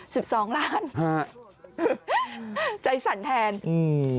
สิบสองล้านฮะใจสั่นแทนอืม